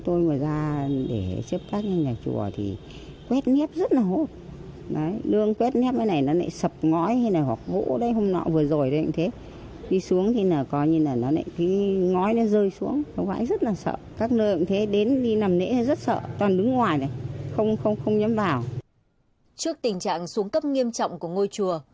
trước tình trạng xuống cấp nghiêm trọng của ngôi chùa